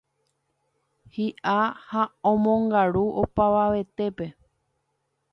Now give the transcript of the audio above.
hi'a ha omongaru opavavetépe